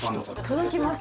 届きます。